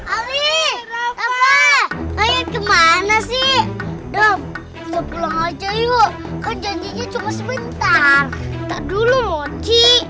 ali apa kayak gimana sih dong pulang aja yuk kan janjinya cuma sebentar dulu mochi